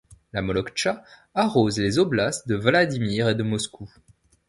La Moloktcha arrose les oblasts de Vladimir et de Moscou.